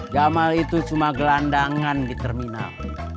gamal itu cuma gelandangan di terminal